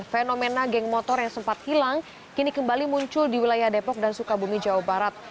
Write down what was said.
fenomena geng motor yang sempat hilang kini kembali muncul di wilayah depok dan sukabumi jawa barat